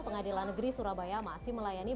pengadilan negeri surabaya masih melayani